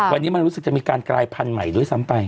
วันนี้มันรู้สึกจะมีการกลายพันธุ์ใหม่ด้วยซ้ำไป